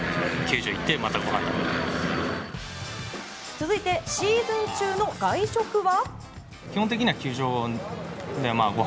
続いてシーズン中の外食は？